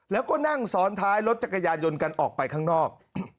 แล้วก็นั่งซ้อนท้ายรถจักรยานยนต์กันออกไปข้างนอก